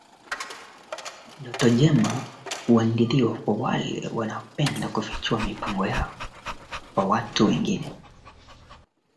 la tundra ardhi iliyogandakanda la taiga misitukanda